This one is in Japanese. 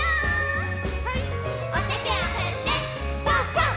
おててをふってパンパン！